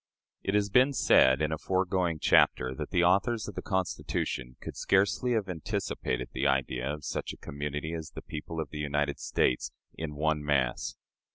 It has been said, in a foregoing chapter, that the authors of the Constitution could scarcely have anticipated the idea of such a community as the people of the United States in one mass.